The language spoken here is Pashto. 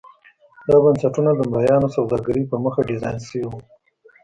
دا بنسټونه د مریانو سوداګرۍ په موخه ډیزاین شوي وو.